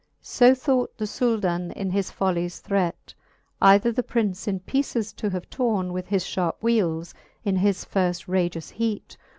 So thought the Souldan in his follies threat, Either the Prince in peeces to have torne With his fharpe wheeles, in his firft rages heat.